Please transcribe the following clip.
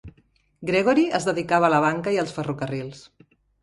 Gregory es dedicava a la banca i als ferrocarrils.